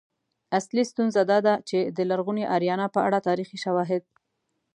اصلی ستونزه دا ده چې د لرغونې آریانا په اړه تاریخي شواهد